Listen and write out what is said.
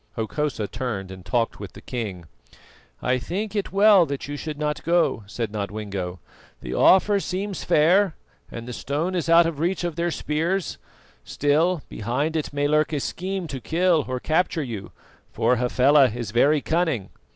Hokosa turned and talked with the king. "I think it well that you should not go," said Nodwengo. "The offer seems fair, and the stone is out of reach of their spears; still, behind it may lurk a scheme to kill or capture you, for Hafela is very cunning."